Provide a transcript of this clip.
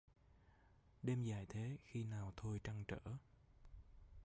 Đêm dài thế khi nào thôi trăn trở